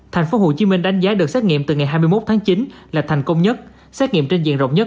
tp hcm đánh giá được xét nghiệm từ ngày hai mươi một tháng chín là thành công nhất xét nghiệm trên diện rộng nhất